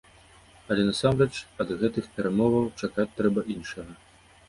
Але, насамрэч, ад гэтых перамоваў чакаць трэба іншага.